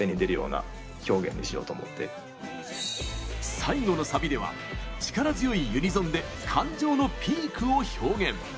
最後のサビでは力強いユニゾンで感情のピークを表現。